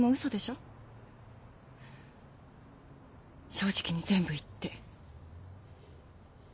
正直に全部言って。